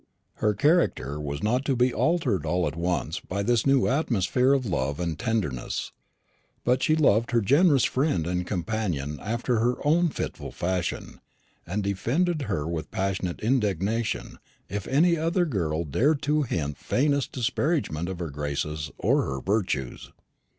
Her character was not to be altered all at once by this new atmosphere of love and tenderness; but she loved her generous friend and companion after her own fitful fashion, and defended her with passionate indignation if any other girl dared to hint the faintest disparagement of her graces or her virtues.